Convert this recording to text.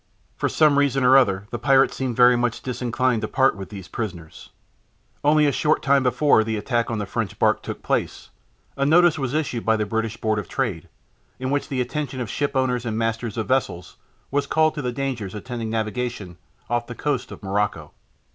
For some reason or other, the pirates seemed very much disinclined to part with these prisoners. Only a short time before the attack on the French barque took place, a notice was issued by the British Board of Trade, in which the attention of ship owners and masters of vessels was called to the dangers attending navigation off the coast of Morocco.